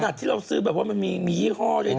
ขนาดที่เราซื้อแบบว่ามันมียี่ห้อเลย